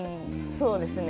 そうですね。